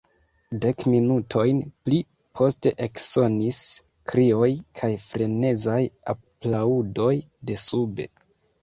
Dek minutojn pli poste eksonis krioj kaj frenezaj aplaŭdoj de sube.